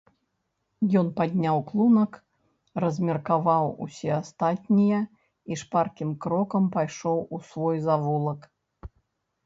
Ён падняў клунак, размеркаваў усе астатнія і шпаркім крокам пайшоў у свой завулак.